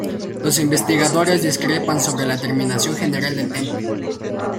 Los investigadores discrepan sobre la terminación general del templo.